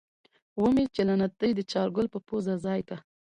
وی مې چې له نتې دې چارګل پۀ پوزه ځای که۔